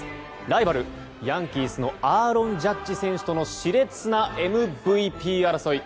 ライバル、ヤンキースのアーロン・ジャッジ選手との熾烈なＭＶＰ争い。